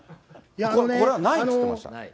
これは、ないって言ってました。